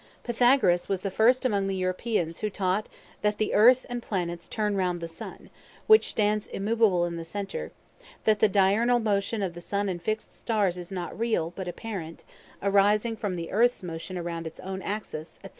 Pythagoras was the first among the Europeans who taught that the Earth and Planets turn round the Sun, which stands immovable in the centre; that the diurnal motion of the Sun and Fixed Stars is not real, but apparent, arising from the Earth's motion round its own axis, &c.